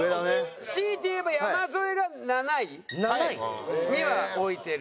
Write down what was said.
強いて言えば山添が７位には置いてる。